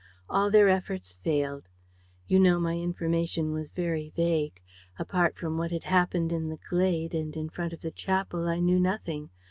All their efforts failed. You know, my information was very vague. Apart from what had happened in the glade and in front of the chapel, I knew nothing.